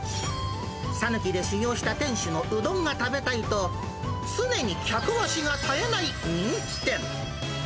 讃岐で修業した店主のうどんが食べたいと、常に客足が絶えない人気店。